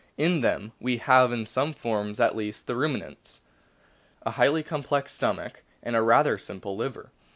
In them we have in some forms, at least the Ruminants, a highly complex stomach and a rather simple liver.